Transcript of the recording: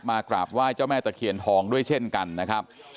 กราบไหว้เจ้าแม่ตะเคียนทองด้วยเช่นกันนะครับ